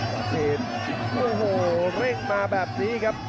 สินโอ้โหเร่งมาแบบนี้ครับ